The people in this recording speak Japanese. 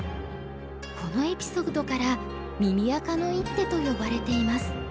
このエピソードから耳赤の一手と呼ばれています。